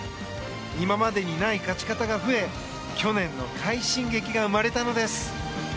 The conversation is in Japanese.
今までにない勝ち方が増え去年の快進撃が生まれたのです。